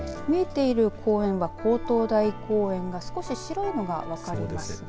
見えている公園は勾当台公園が少し白いのが分かります。